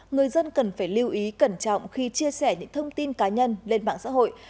người dân cần phải lưu ý cẩn trọng khi chia sẻ những thông tin cá nhân lên mạng xã hội